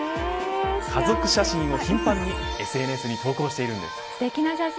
家族写真を頻繁にＳＮＳに投稿しているんです。